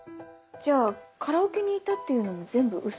じゃあカラオケにいたっていうのも全部ウソ？